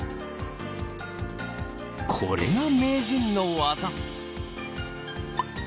これが名人の技。